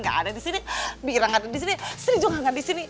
ga ada disini bira ga ada disini srijunga ga ada disini